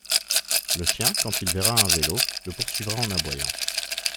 Le chien, quand il verra un vélo, le poursuivra en aboyant.